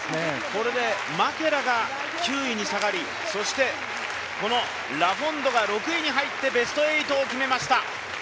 これでマケラが９位に下がりそしてこのラフォンドが６位に入ってベスト８を決めました。